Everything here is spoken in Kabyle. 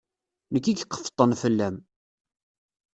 Nekk i iqeffṭen fell-am.